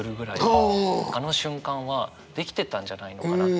あの瞬間はできてたんじゃないのかなって。